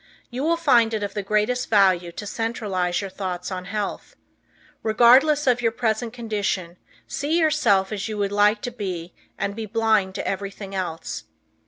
You will find it of the greatest value to centralize your thoughts on health. Regardless of your present condition, see yourself as you would like to be and be blind to everything else.